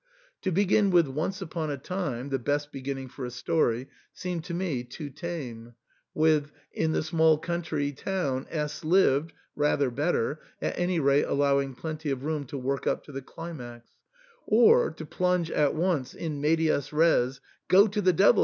To begin with " Once upon a time," the best beginning for a story, seemed to me too tame ; with " In the small coun try town S lived," rather better, at any rate allow ing plenty of room to work up to the climax ; or to plunge at once in medias res^ "* Go to the devil